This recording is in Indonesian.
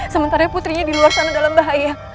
sementara putrinya di luar sana dalam bahaya